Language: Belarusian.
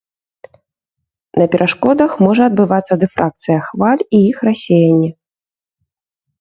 На перашкодах можа адбывацца дыфракцыя хваль і іх рассеянне.